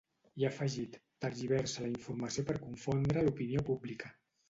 I ha afegit: Tergiversa la informació per confondre l’opinió pública.